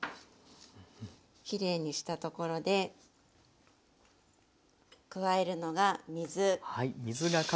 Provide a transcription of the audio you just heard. きれいにしたところで加えるのが水。